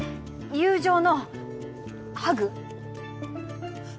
友情のハグ！